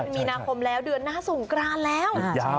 มีนาคมแล้วเดือนหน้าสงกรานแล้ว